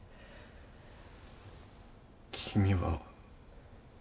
君は。